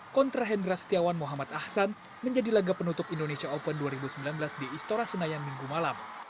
kontra hendra setiawan muhammad ahsan menjadi laga penutup indonesia open dua ribu sembilan belas di istora senayan minggu malam